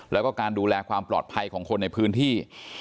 แล้วก็การดูแลความปลอดภัยของคนในพื้นที่